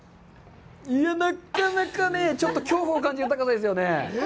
いや、なかなかね、ちょっと恐怖を感じる高さですよね。